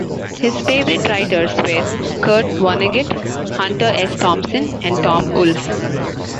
His favorite writers were Kurt Vonnegut, Hunter S. Thompson, and Tom Wolfe.